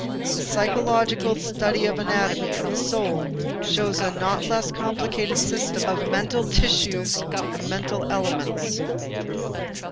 The psychological study of the anatomy of the soul shows a not less complicated system of mental tissues and mental elements.